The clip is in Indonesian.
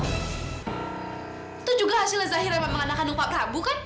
itu juga hasilnya zaira mengandalkan upah prabu kan